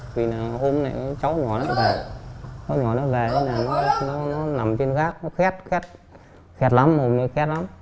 tuy là hôm này cháu nhỏ nó về cháu nhỏ nó về thế là nó nằm trên gác nó khét khét khét lắm hôm đấy khét lắm